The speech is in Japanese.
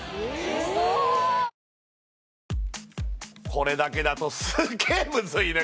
これだけだとすげえムズいね